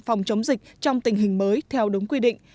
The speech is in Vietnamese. phòng chống dịch trong tình hình mới theo đúng quy định